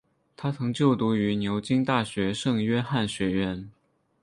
他曾就读于牛津大学圣约翰学院。